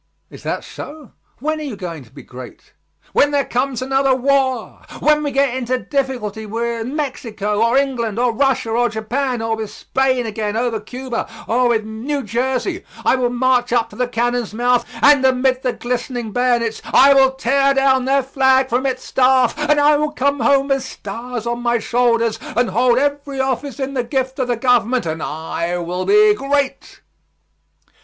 "Is that so? When are you going to be great?" "When there comes another war! When we get into difficulty with Mexico, or England, or Russia, or Japan, or with Spain again over Cuba, or with New Jersey, I will march up to the cannon's mouth, and amid the glistening bayonets I will tear down their flag from its staff, and I will come home with stars on my shoulders, and hold every office in the gift of the government, and I will be great."